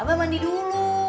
abah mandi dulu